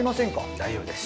大丈夫です。